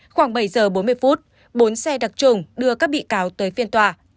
khoảng bảy giờ bốn mươi phút bốn xe đặc trùng đưa các bị cáo tới phiên tòa